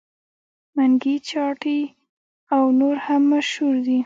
منګي چاټۍ او نور هم مشهور دي.